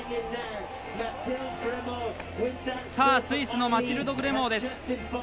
スイスのマチルド・グレモーです。